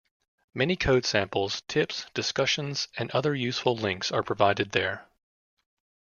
Many code samples, tips, discussions and other useful links are provided there.